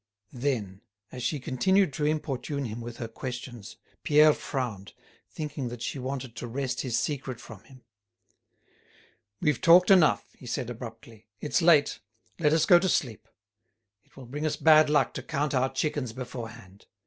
Then, as she continued to importune him with her questions, Pierre frowned, thinking that she wanted to wrest his secret from him. "We've talked enough," he said, abruptly. "It's late, let us go to sleep. It will bring us bad luck to count our chickens beforehand.